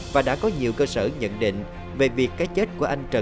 và đã có nhiều cơ sở nhận định về việc cái chết của anh trần